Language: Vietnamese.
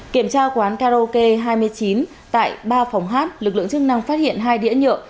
kiểm tra quán karaoke hai mươi chín tại ba phòng hát lực lượng chức năng phát hiện hai đĩa nhựa